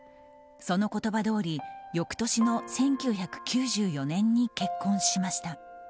その言葉どおり翌年の１９９４年に結婚しました。